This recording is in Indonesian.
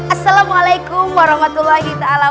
assalamualaikum warahmatullahi wabarakatuh